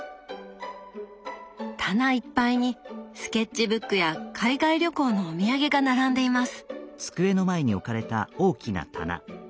棚いっぱいにスケッチブックや海外旅行のお土産が並んでいます。